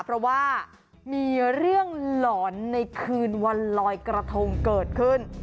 เพราะว่ามีเรื่องหลอนในคืนวันลอยกระทงเกิดขึ้น